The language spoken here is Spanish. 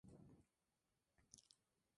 La sede de la parroquia es Colfax.